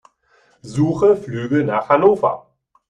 Suche Flüge nach Hannover.